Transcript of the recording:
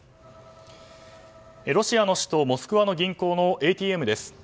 ロシアの首都モスクワの銀行のＡＴＭです。